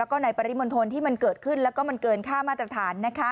ก็ในปริมณธนที่มันเกิดขึ้นและเกินค่ามาตรฐาน